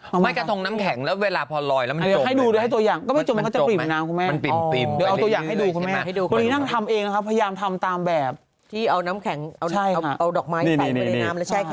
เป็นรายกระทงน้ำแข็งแล้วเวลาพอลอยแล้วมันจบ